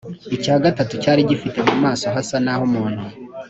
icya gatatu cyari gifite mu maso hasa n’ah’umuntu,